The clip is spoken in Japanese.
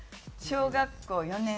小学校４年。